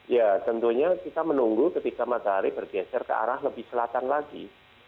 ya tentunya kita menunggu ketika matahari bergeser ke arah lebih selatan lagi